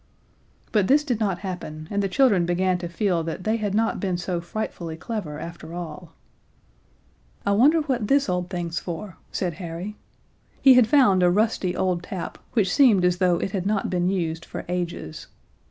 But this did not happen, and the children began to feel that they had not been so frightfully clever after all. "I wonder what this old thing's for," said Harry. He had found a rusty old tap, which seemed as though it had not been used for ages.